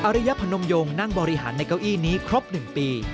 ริยพนมยงนั่งบริหารในเก้าอี้นี้ครบ๑ปี